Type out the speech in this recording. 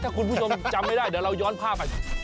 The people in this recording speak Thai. ถ้าคุณผู้ชมจำไม่ได้เดี๋ยวเราย้อนภาพไป